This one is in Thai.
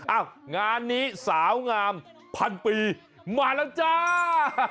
งานนี้สาวงามพันปีมาแล้วจ้า